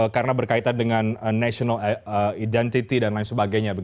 karena berkaitan dengan national identity dan lain sebagainya